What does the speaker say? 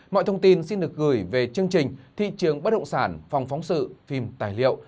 mọi thông tin xin được gửi về chương trình thị trường bất động sản phòng phóng sự phim tài liệu